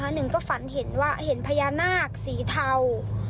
หนึ่งก็ฝันเห็นว่าเห็นพญานาคสีเทา